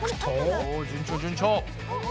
お順調順調。